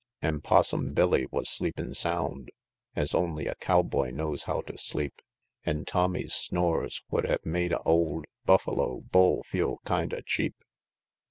VI. An' Possum Billy was sleepin' sound, Es only a cowboy knows how to sleep; An' Tommy's snores would hev made a old Buffalo bull feel kind o' cheap.